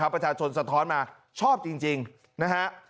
ประชาชนสะท้อนมาชอบจริงนะฮะ